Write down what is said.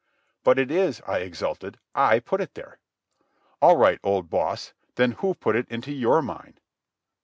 "But it is," I exulted. "I put it there." "All right, old boss. Then who put it into your mind?"